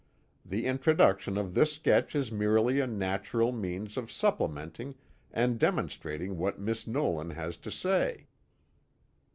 The introduction of this sketch is merely a natural means of supplementing and demonstrating what Miss Nolan has to say."